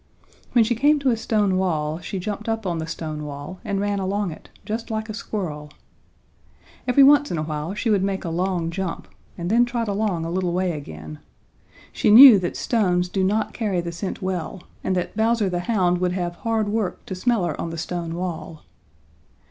When she came to a stone wall she jumped up on the stone wall and ran along it, just like a squirrel. Every once in a while she would make a long jump and then trot along a little way again. She knew that stones do not carry the scent well, and that Bowser the Hound would have hard work to smell her on the stone wall.